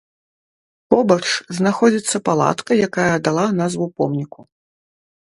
Побач знаходзіцца палатка, якая дала назву помніку.